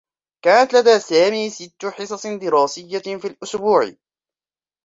كانت لدى سامي ستّ حصص دراسيّة في الأسبوع.